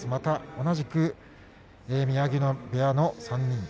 同じく宮城野部屋の３人。